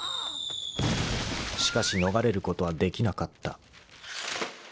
［しかし逃れることはできなかった］